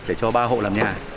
để cho ba hộ làm nhà